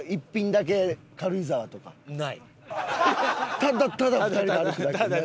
ただただ２人で歩くだけ？